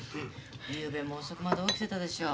ゆうべも遅くまで起きてたでしょう？